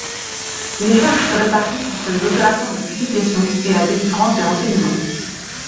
Les charges se répartissent entre les opérations de publications et la délivrance des renseignements.